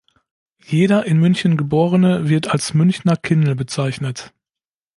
Jeder in München Geborene wird als Münchner Kindl bezeichnet.